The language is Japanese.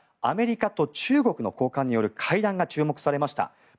アメリカと中国の高官による会談が注目されました。